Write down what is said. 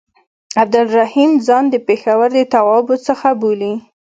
عبدالرحیم ځان د پېښور د توابعو څخه بولي.